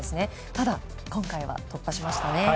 ただ、今回は突破しましたね。